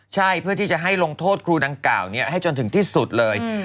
ใช่เพื่อที่จะให้ลงโทษครูดังกล่าวนี้ให้จนถึงที่สุดเลย